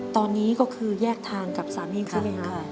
ตอนนี้ก็คือแยกทางกับสามีใช่ไหมคะ